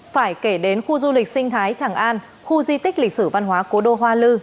phải kể đến khu du lịch sinh thái tràng an khu di tích lịch sử văn hóa cố đô hoa lư